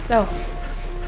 ya ya saya luk makan aja